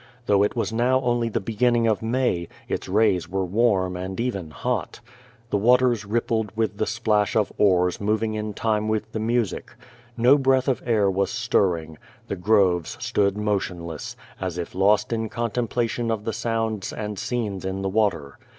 Though it was now only the beginning of May, its rays were warm and even hot. The waters rippled with the splash of oars moving in time with the music. No breath of air was stirring. The groves stood motionless, as if lost in contem plation of the sounds and scenes in the water.